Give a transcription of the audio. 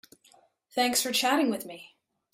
Thanks for chatting with me.